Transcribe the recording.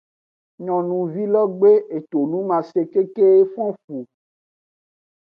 Nyonuvi lo gbe etonumase keke fon efu.